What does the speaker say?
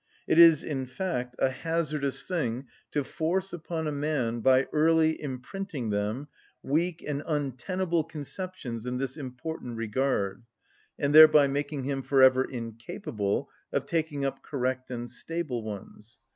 It is, in fact, a hazardous thing to force upon a man, by early imprinting them, weak and untenable conceptions in this important regard, and thereby making him for ever incapable of taking up correct and stable ones.